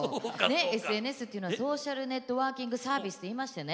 ＳＮＳはソーシャルネットワーキングサービスと言いましてね。